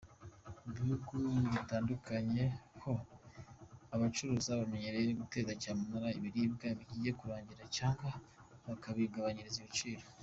Mu bihugu bitandukanye ho, abacuruzi bamenyereye guteza cyamunara ibiribwa bigiye kurangira cyangwa bakabigabanyiriza ibiciro.